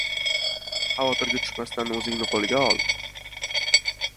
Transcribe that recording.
xavotirga tushmasdan, o‘zingni qo‘lga ol.